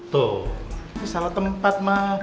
tuh salah tempat mah